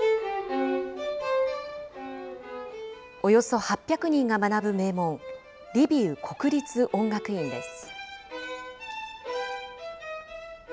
およそ８００人が学ぶ名門、リビウ国立音楽院です。